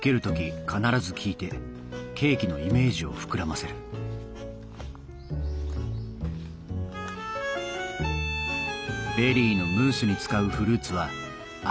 ケーキのイメージを膨らませるベリーのムースに使うフルーツは赤い宝石。